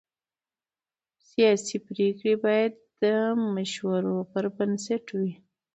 سیاسي پرېکړې باید د مشورو پر بنسټ وي